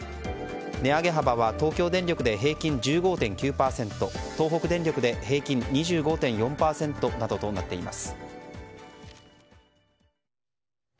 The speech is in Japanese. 値上げ幅は東京電力で平均１５．９％東北電力で平均２５．４％などとなっています。